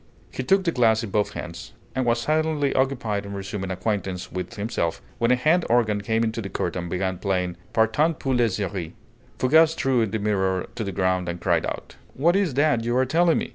He took the glass in both hands, and was silently occupied in resuming acquaintance with himself, when a hand organ came into the court and began playing 'Partant pour la Syrie.' Fougas threw the mirror to the ground, and cried out: "What is that you are telling me?